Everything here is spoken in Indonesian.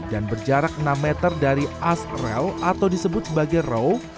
dan berjarak enam meter dari as rel atau disebut sebagai row